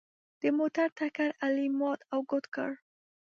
د موټر ټکر علي مات او ګوډ کړ.